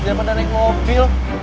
dia pernah naik mobil